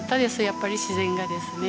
やっぱり自然がですね。